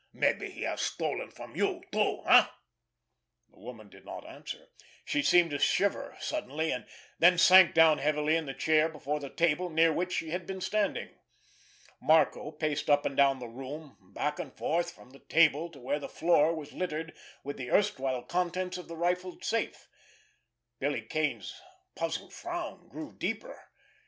Maybe he has stolen from you, too, eh?" The woman did not answer. She seemed to shiver suddenly, and then sank down heavily in the chair before the table, near which she had been standing. Marco paced up and down the room, back and forth, from the table to where the floor was littered with the erstwhile contents of the rifled safe. Billy Kane's puzzled frown grew deeper.